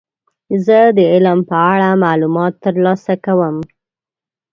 زه د علم په اړه معلومات ترلاسه کوم.